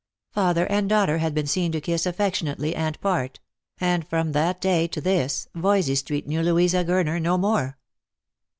Father and daughter had been seen to kiss affectionately and part; and from that day to this Voysey street knew Louisa Gurner no more.